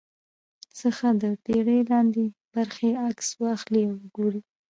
څخه د بېړۍ لاندې برخې عکس واخلي او وګوري